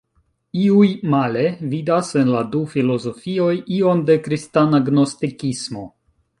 Iuj, male, vidas en la du filozofioj ion de kristana gnostikismo.